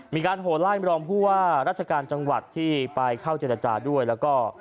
มีการโหไล่มรองผู้ว่าราชการจังหวัดที่ไปเข้าเจรจาด้วยแล้วก็